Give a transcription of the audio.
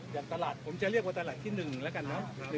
อย่างตลาดผมจะเรียกว่าตลาดที่๑แล้วกันเนอะ